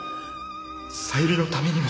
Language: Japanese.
小百合のためにも。